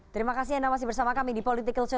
terima kasih anda masih bersama kami di political show